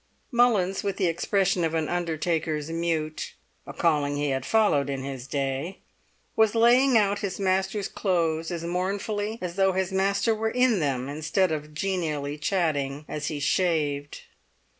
Mullins, with the expression of an undertaker's mute (a calling he had followed in his day), was laying out his master's clothes as mournfully as though his master were in them, instead of chatting genially as he shaved.